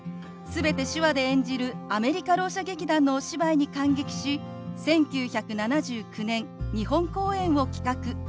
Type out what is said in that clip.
全て手話で演じるアメリカろう者劇団のお芝居に感激し１９７９年日本公演を企画。